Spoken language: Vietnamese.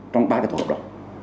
trong ba cái tổ hợp đó